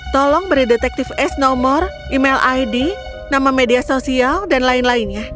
tolong beri detektif ace nomor email id nama media sosial dan lain lainnya